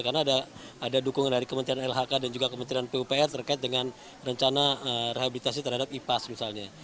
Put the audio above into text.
karena ada dukungan dari kementerian lhk dan juga kementerian pupr terkait dengan rencana rehabilitasi terhadap ipas misalnya